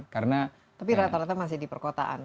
karena tapi rata rata masih di perkotaan